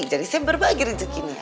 jadi saya berbagi rezeki nih